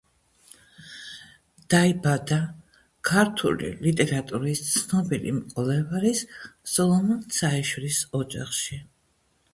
დაიბადა ქართული ლიტერატურის ცნობილი მკვლევარის სოლომონ ცაიშვილის ოჯახში.